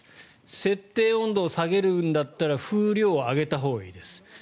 設定温度を下げるんだったら風量を上げたほうがいいです。